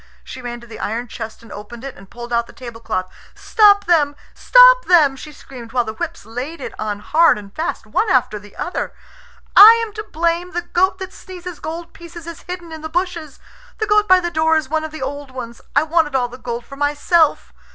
She ran to the iron chest and opened it, and pulled out the tablecloth. "Stop them! Stop them!" she screamed, while the whips laid it on hard and fast, one after the other. "I am to blame. The goat that sneezes gold pieces is hidden in the bushes. The goat by the door is one of the old ones. I wanted all the gold for myself."